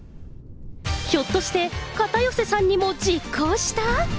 ひょっとして、片寄さんにも実行した？